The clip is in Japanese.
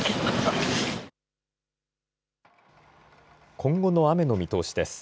今後の雨の見通しです。